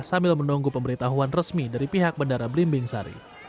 sambil menunggu pemberitahuan resmi dari pihak bandara belimbing sari